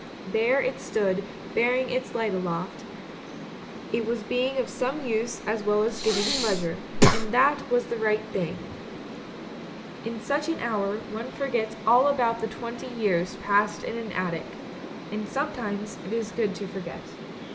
There it stood bearing its light aloft; it was being of some use as well as giving pleasure, and that was the right thing— in such an hour 90 ANDERSEN'S FAIRY TALES one forgets all about the twenty years passed in an attic — and it is good sometimes to forget.